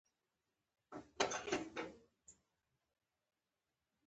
ټیم څنګه هدف ته رسیږي؟